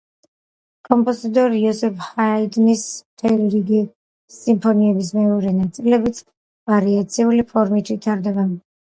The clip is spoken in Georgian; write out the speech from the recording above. კომპოზიტორ იოზეფ ჰაიდნის მთელი რიგი სიმფონიების მეორე ნაწილებიც ვარიაციული ფორმით ვითარდება.